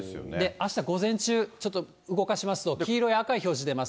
あした午前中、動かしますと、黄色や赤い表示出ます。